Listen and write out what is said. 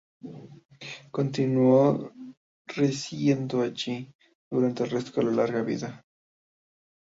Continuó residiendo allí durante el resto de su larga vida.